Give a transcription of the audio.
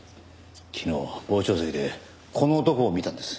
昨日傍聴席でこの男を見たんです。